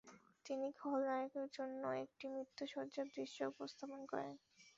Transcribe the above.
তিনি খলনায়কের জন্য একটি মৃত্যুশয্যার দৃশ্য উপস্থাপন করেন।